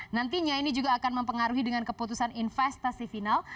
nantinya ini juga akan mempengaruhi dengan keputusan investasi final